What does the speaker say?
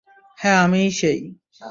হ্যাঁ, আমিই সেই।